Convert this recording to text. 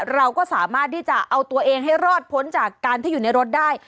เราก็สามารถที่จะเอาตัวเองให้รอดพ้นจากการที่อยู่ในรถได้